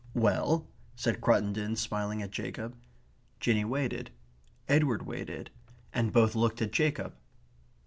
"Well?" said Cruttendon, smiling at Jacob. Jinny waited; Edward waited; and both looked at Jacob.